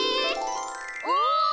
お！